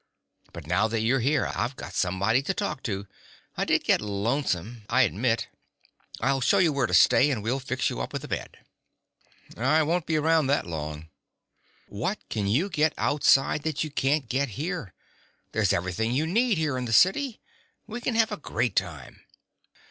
But now that you're here, I've got somebody to talk to. I did get lonesome, I admit. I'll show you where I stay and we'll fix you up with a bed." "I won't be around that long." "What can you get outside that you can't get here? There's everything you need here in the city. We can have a great time."